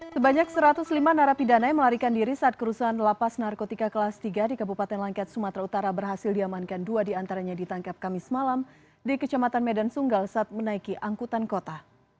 sebanyak satu ratus lima narapidana yang melarikan diri saat kerusuhan lapas narkotika kelas tiga di kabupaten langkat sumatera utara berhasil diamankan dua diantaranya ditangkap kamis malam di kecamatan medan sunggal saat menaiki angkutan kota